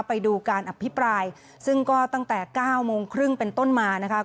ไปดูการอภิปรายซึ่งก็ตั้งแต่เก้าโมงครึ่งเป็นต้นมานะคะ